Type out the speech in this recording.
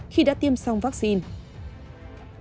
khi đã tiêm xong vaccine